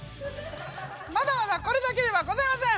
まだまだこれだけではございません！